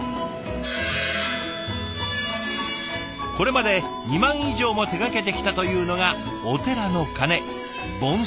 これまで２万以上も手がけてきたというのがお寺の鐘梵鐘。